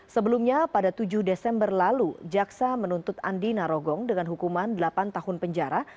sebelumnya pada tujuh desember lalu jaksa menuntut andi narogong dengan hukuman delapan tahun penjara